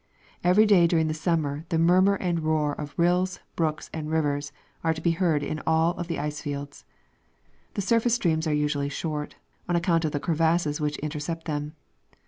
Every day during the summer the murmur and roar of rills, brooks and rivers are to be heard in all of the ice fields. The surface streams are usually short, on account of the crevasses which intercept them.